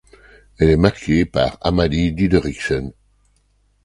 Elle est marquée par Amalie Dideriksen.